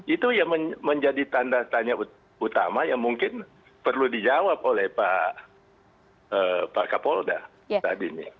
itu yang menjadi tanda tanya utama yang mungkin perlu dijawab oleh pak kapolda tadinya